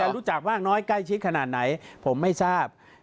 รู้จักมากน้อยใกล้ชิดขนาดไหนผมไม่ทราบ